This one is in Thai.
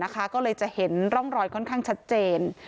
ก็เลยจะเห็นร่องรอยค่อนข้างชัดเจน